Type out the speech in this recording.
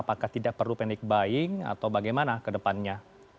apakah tidak perlu panic buying atau bagaimana ke depannya